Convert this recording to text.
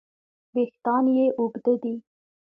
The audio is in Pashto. وېښتیان یې اوږده دي.